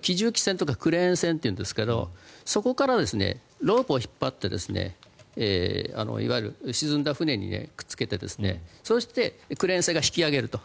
重機船とかクレーン船というんですがそこからロープを引っ張っていわゆる沈んだ船にくっつけてそしてクレーン船が引き揚げると。